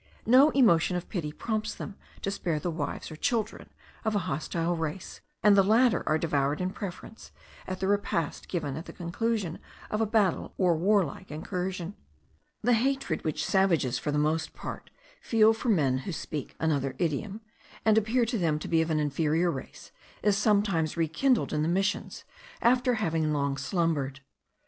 No emotion of pity prompts them to spare the wives or children of a hostile race; and the latter are devoured in preference, at the repast given at the conclusion of a battle or warlike incursion. The hatred which savages for the most part feel for men who speak another idiom, and appear to them to be of an inferior race, is sometimes rekindled in the missions, after having long slumbered.